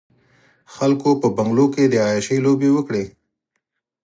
خلکو په بنګلو کې د عياشۍ لوبې وکړې.